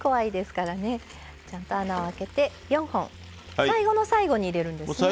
ちゃんと穴をあけて４本最後の最後に入れるんですね。